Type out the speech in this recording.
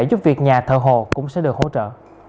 giúp việc nhà thờ hồ cũng sẽ được hỗ trợ